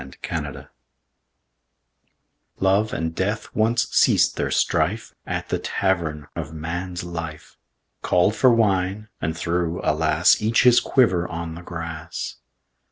THE EXPLANATION Love and Death once ceased their strife At the Tavern of Man's Life. Called for wine, and threw — alas! — Each his quiver on the grass.